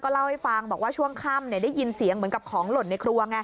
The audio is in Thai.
เล่าให้ฟังบอกว่าช่วงค่ำได้ยินเสียงเหมือนกับของหล่นในครัวไง